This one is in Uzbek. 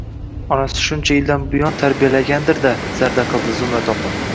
Onasi shuncha yildan buyon tarbiyalagandir-da, zarda qildi Zumrad opa